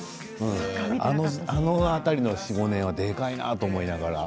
あの辺りの４、５年はでかいなと思いながら。